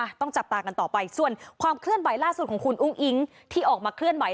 ต้องจับตากันต่อไปส่วนความเคลื่อนไหวล่าสุดของคุณอุ้งอิ๊งที่ออกมาเคลื่อนไหว